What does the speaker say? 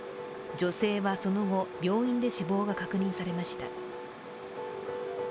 女性はその後、病院で死亡が確認されました。